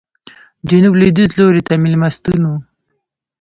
جنوب لوېدیځ لوري ته مېلمستون و.